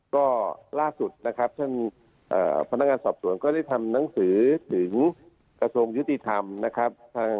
ก็ล่าสุดนะครับท่านพนักงานสอบสวนก็ได้ทำหนังสือถึงกระทรวงยุติธรรมนะครับ